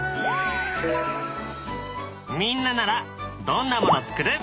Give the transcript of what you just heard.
みんなならどんなもの作る？